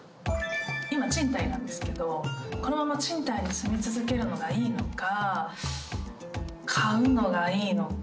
今賃貸なんですけどこのまま賃貸に住み続けるのがいいのか買うのがいいのか。